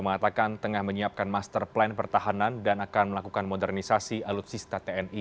mengatakan tengah menyiapkan master plan pertahanan dan akan melakukan modernisasi alutsista tni